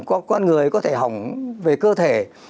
con người có thể hỏng về cơ thể